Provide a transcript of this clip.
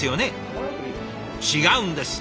違うんです